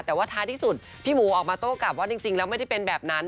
แต่ว่าท้ายที่สุดพี่หมูออกมาโต้กลับว่าจริงแล้วไม่ได้เป็นแบบนั้น